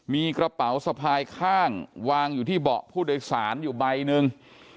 มีกระเป๋าสะพายข้างวางอยู่ที่เบาะผู้โดยสารอยู่ใบหนึ่ง